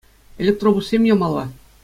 Электробуссем ямалла.